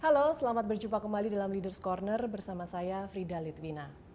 halo selamat berjumpa kembali dalam ⁇ leaders ⁇ corner bersama saya frida litwina